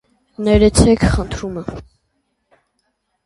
- Ներեցե՛ք, խնդրում եմ.